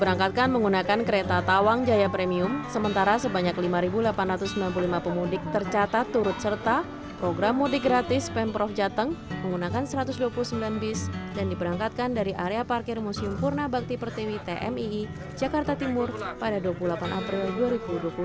ratusan pemudik peserta ke jawa tengah ganjar pranowo turut menyapa langsung mereka di gerbong kereta tawang jaya premium yang diperangkatkan dari stasiun pasar senen jakarta pusat pada pukul tujuh tiga puluh jumat pagi